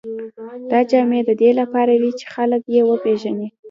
دا جامې د دې لپاره وې چې خلک یې وپېژني.